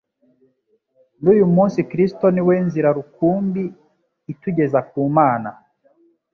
N'uyu munsi, Kristo ni we Nzira rukumbi itugeza ku Mana.